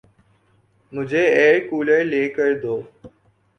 مجھے air cooler لے کر دو